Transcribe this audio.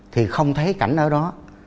thì không thấy cảnh ở đó